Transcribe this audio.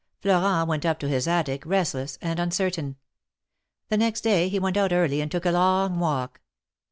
Florent went up to his attic, restless and uncertain. The next day he went out early and took a long walk.